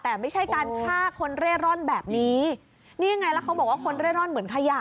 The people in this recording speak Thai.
แต่ไม่ใช่การฆ่าคนเร่ร่อนแบบนี้นี่ยังไงแล้วเขาบอกว่าคนเร่ร่อนเหมือนขยะ